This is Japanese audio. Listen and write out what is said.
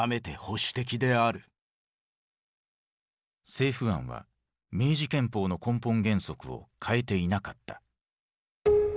政府案は明治憲法の根本原則を変えていなかった。